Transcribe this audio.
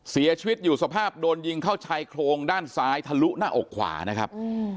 เสียชีวิตอยู่สภาพโดนยิงเข้าชายโครงด้านซ้ายทะลุหน้าอกขวานะครับ